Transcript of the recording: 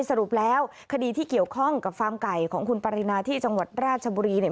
สรุปแล้วคดีที่เกี่ยวข้องกับฟาร์มไก่ของคุณปรินาที่จังหวัดราชบุรีเนี่ย